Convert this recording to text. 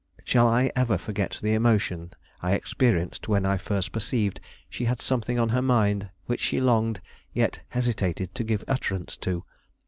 Shall I ever forget the emotion I experienced when I first perceived she had something on her mind, which she longed, yet hesitated, to give utterance to!